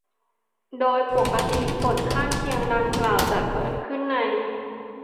โดยปกติผลข้างเคียงดังกล่าวจะเกิดขึ้นใน